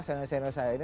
seneor seneor saya ini